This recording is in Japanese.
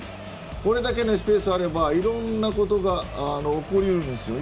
これだけのスペースがあればいろんなことが起こりうるんですよ。